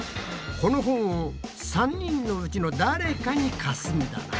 この本を３人のうちの誰かに貸すんだな。